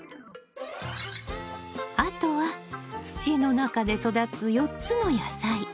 あとは土の中で育つ４つの野菜。